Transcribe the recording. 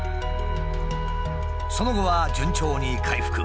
その後は順調に回復。